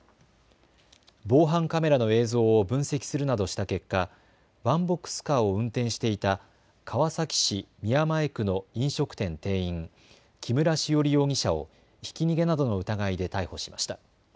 防犯カメラの映像を分析するなどした結果、ワンボックスカーを運転していた川崎市宮前区の飲食店店員、木村栞容疑者をひき逃げなどの疑いで逮捕しました。